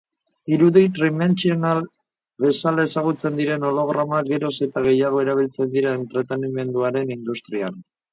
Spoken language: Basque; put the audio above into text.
Irudi tridimentsional bezala ezagutzen diren hologramak geroz eta gehiago erabiltzen dira entretenimenduaren industrian.